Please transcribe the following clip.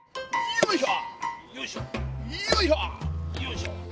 よいしょ！